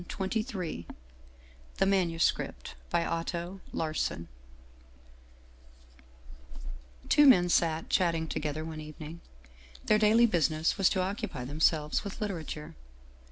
259 Otto Larssen The Manuscript gentlemen sat chatting together one evening. Their daily business was to occupy themselves with lit erature.